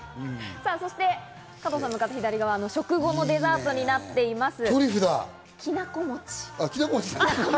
そして、加藤さんの向かって左側、食後のデザートになっています。